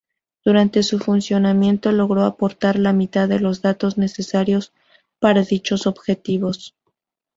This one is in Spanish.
Durante su funcionamiento logró aportar la mitad de los datos necesarios para dichos objetivos.